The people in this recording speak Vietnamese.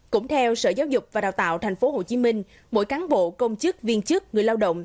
cũng theo sở giáo dục và đào tạo thành phố hồ chí minh mỗi cán bộ công chức viên chức người lao động